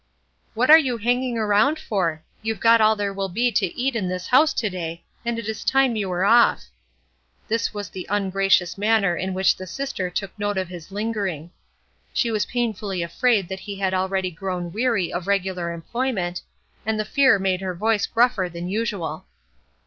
"What are you hanging around for? You've got all there will be to eat in this house to day, and it is time you were off." This was the ungracious manner in which the sister took note of his lingering. She was painfully afraid that he had already grown weary of regular employment, and the fear made her voice gruffer than usual.